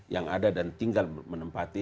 yang ada dan tinggal menempati